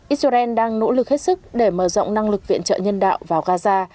israel đang nỗ lực hết sức để mở rộng năng lực viện trợ nhân đạo vào gaza